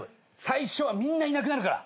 最初はみんないなくなるから。